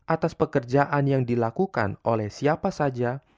atas pekerjaan yang dilakukan oleh siapa saja